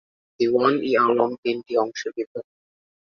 দিওয়ান-ই-আলম তিনটি অংশে বিভক্ত।